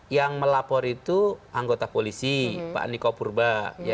yang melapor itu anggota polisi pak niko purba